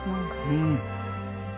うん。